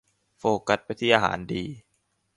โฟกัสไปที่อาหารดี